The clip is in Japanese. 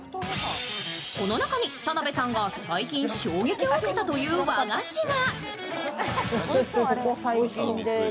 この中に田辺さんが最近衝撃を受けたという和菓子が。